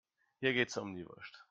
Hier geht es um die Wurst.